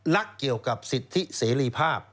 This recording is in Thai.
เกี่ยวกับสิทธิเสรีภาพ